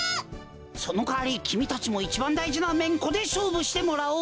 そのかわりきみたちもいちばんだいじなめんこでしょうぶしてもらおう！